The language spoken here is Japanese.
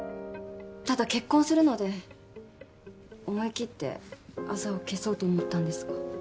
ただ結婚するので思い切ってあざを消そうと思ったんですが。